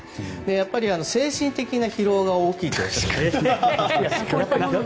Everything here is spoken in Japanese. やっぱり精神的な疲労が大きいとおっしゃってました。